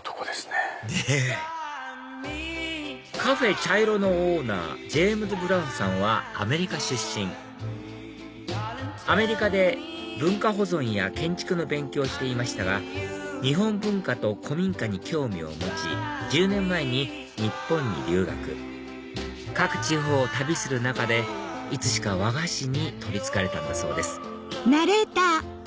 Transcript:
ねっかふぇ茶色のオーナージェームズ・ブラウンさんはアメリカ出身アメリカで文化保存や建築の勉強をしていましたが日本文化と古民家に興味を持ち１０年前に日本に留学各地方を旅する中でいつしか和菓子に取りつかれたんだそうです